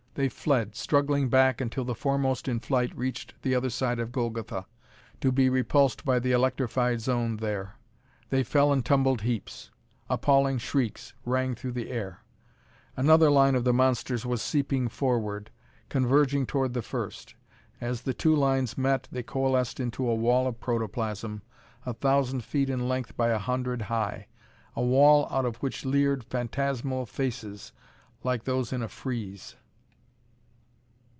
They fled, struggling back until the foremost in flight reached the other side of Golgotha, to be repulsed by the electrified zone there. They fell in tumbled heaps. Appalling shrieks rang through the air. Another line of the monsters was seeping forward, converging toward the first. As the two lines met, they coalesced into a wall of protoplasm, a thousand feet in length by a hundred high. A wall out of which leered phantasmal faces, like those in a frieze.